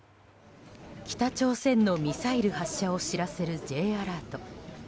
北朝鮮のミサイル発射を知らせるＪアラート。